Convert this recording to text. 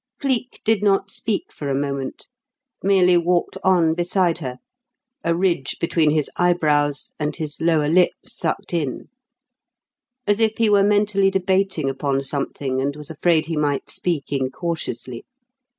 Cleek did not speak for a moment: merely walked on beside her a ridge between his eyebrows and his lower lip sucked in; as if he were mentally debating upon something and was afraid he might speak incautiously.